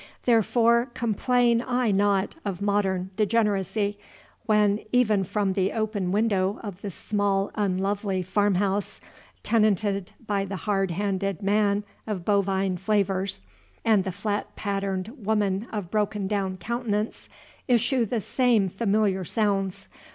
Therefore complain I not of modern degeneracy, when, even from the open window of the small unlovely farmhouse, tenanted by the hard handed man of bovine flavors and the flat patterned woman of broken down countenance, issue the same familiar sounds.